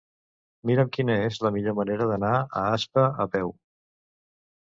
Mira'm quina és la millor manera d'anar a Aspa a peu.